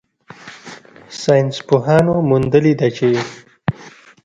ساینسپوهانو موندلې ده چې